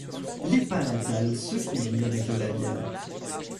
Les palatales se combinent avec les labiales.